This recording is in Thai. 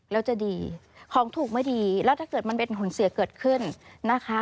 และถ้าเกิดมันเป็นขุนเสียเกิดขึ้นนะคะ